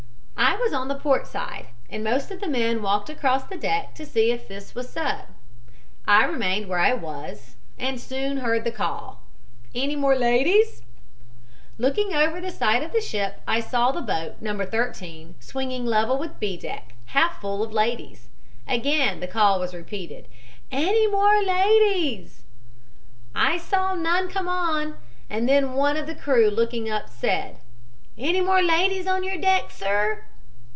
"I was on the port side, and most of the men walked across the deck to see if this was so I remained where I was and soon heard the call: "'Any more ladies?' "Looking over the side of the ship, I saw the boat, No. 13, swinging level with B deck, half full of ladies. Again the call was repeated, 'Any more ladies?' "I saw none come on, and then one of the crew, looking up, said: "'Any more ladies on your deck, sir?'